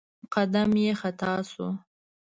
قدم يې خطا شو.